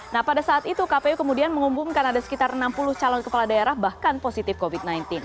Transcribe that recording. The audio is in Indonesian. nah pada saat itu kpu kemudian mengumumkan ada sekitar enam puluh calon kepala daerah bahkan positif covid sembilan belas